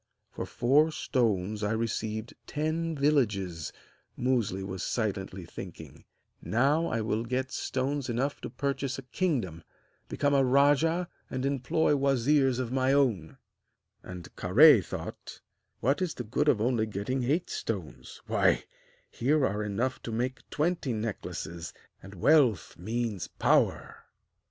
'For four stones I received ten villages,' Musli was silently thinking; 'now I will get stones enough to purchase a kingdom, become a rajah, and employ wazirs of my own!' [Illustration: SUDDENLY THE TREE ROSE UP AGAIN AND FLEW AWAY] And Kahré thought: 'What is the good of only getting eight stones? Why, here are enough to make twenty necklaces; and wealth means power!'